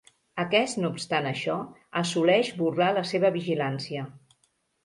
Aquest no obstant això, assoleix burlar la seva vigilància.